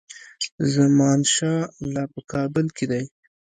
زمانشاه لا په کابل کې دی.